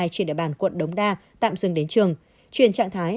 trên địa bàn quận đống đa tạm dừng đến trường truyền trạng thái